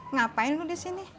ngapain lu disini